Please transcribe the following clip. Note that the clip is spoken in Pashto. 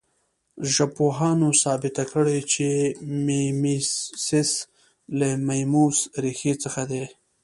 ژبپوهانو ثابته کړې چې میمیسیس له میموس ریښې څخه دی